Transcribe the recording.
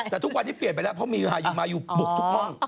แต่ทุกวันนี้เปลี่ยนไปแล้วเพราะมีฮายูมายูบุกทุกห้อง